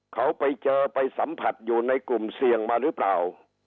เขาไปเจอไปสัมผัสอยู่ในกลุ่มเสี่ยงมาหรือเปล่า